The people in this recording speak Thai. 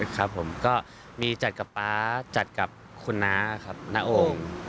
ครับผมก็มีจัดกับป๊าจัดกับคุณน้าครับน้าโอ่ง